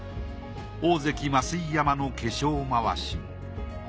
大関増位山の化粧廻し